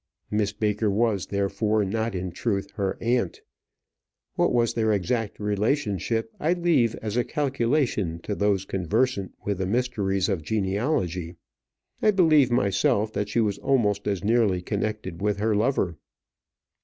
Miss Baker was therefore not in truth her aunt. What was their exact relationship I leave as a calculation to those conversant with the mysteries of genealogy. I believe myself that she was almost as nearly connected with her lover.